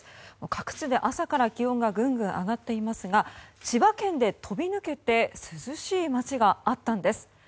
各地で朝から気温がぐんぐん上がっていますが千葉県で飛び抜けて涼しい街があったんです。